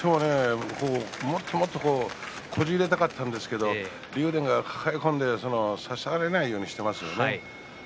もっともっと妙義龍はこじ入れたかったんですが竜電が抱え込んで差されないようにしましたね。